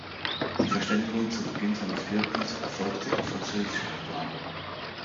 Die Verständigung zu Beginn seines Wirkens erfolgte in französischer Sprache.